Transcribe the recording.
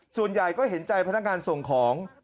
ส่วนใหญ่ก็เห็นใจพนักงานส่งของ